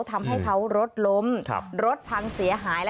ทำให้เขารถล้มรถพังเสียหาย